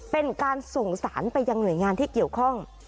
เป็นการส่งสารไปยังหน่วยงานที่เกี่ยวข้อง